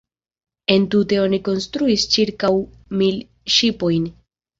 Entute oni konstruis ĉirkaŭ mil ŝipojn.